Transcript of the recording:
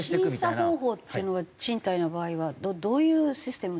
これ審査方法っていうのは賃貸の場合はどういうシステムになってるんですか？